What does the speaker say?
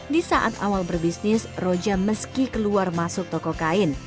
di saat awal berbisnis roja meski keluar masuk toko kain